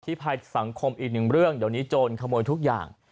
ภายสังคมอีกหนึ่งเรื่องเดี๋ยวนี้โจรขโมยทุกอย่าง